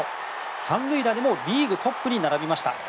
３塁打でもリーグトップに並びました。